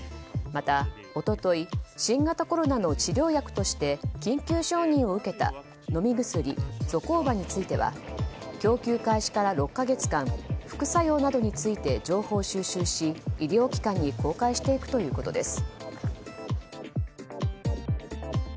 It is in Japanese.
また、一昨日新型コロナの治療薬として緊急承認を受けた飲み薬ゾコーバについては供給開始から６か月間副作用などについて情報を収集し、医療機関に公開していくということです。